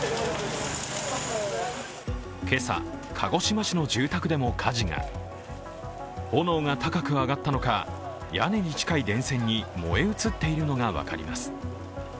今朝、鹿児島市の住宅でも火事が炎が高く上がったのか、屋根に近い電線に燃え移っているのが分かります。